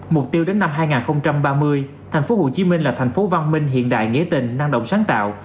mục tiêu đến năm hai nghìn ba mươi tp hcm là thành phố văn minh hiện đại nghĩa tình năng động sáng tạo